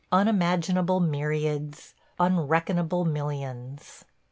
. unimaginable myriads, unreckonable millions.